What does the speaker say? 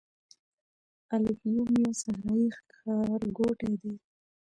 الفیوم یو صحرايي ښارګوټی دی.